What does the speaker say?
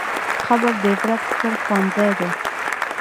قبر د عبرت ستر ښوونځی دی.